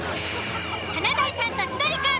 ［『華大さんと千鳥くん』